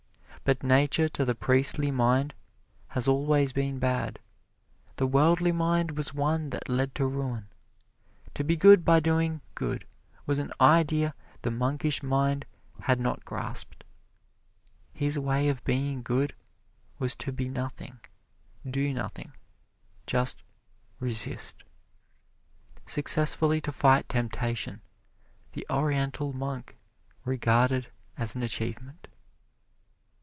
But Nature to the priestly mind has always been bad. The worldly mind was one that led to ruin. To be good by doing good was an idea the monkish mind had not grasped. His way of being good was to be nothing, do nothing just resist. Successfully to fight temptation, the Oriental Monk regarded as an achievement.